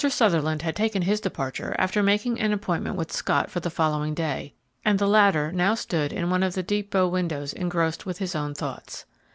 Sutherland had taken his departure after making an appointment with Scott for the following day, and the latter now stood in one of the deep bow windows engrossed with his own thoughts.